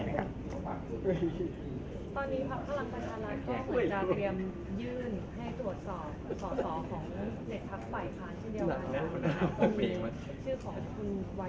ตอนนี้ภาพพลังคันธรรมแทนก็เหมือนจะเตรียมยื่นให้ตรวจสอบสอบของเน็ตภักดิ์ไฟฟ้าที่เดียวกัน